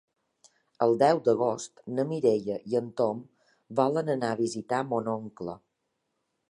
El deu d'agost na Mireia i en Tom volen anar a visitar mon oncle.